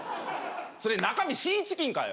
それ中身シーチキンかよ